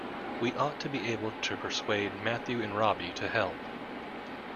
We ought to be able to persuade Matthew and Robbie to help.